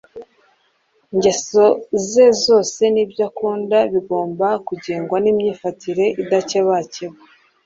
ingeso ze zose n’ibyo akunda bigomba kugengwa n’imyifatire idakebakeba.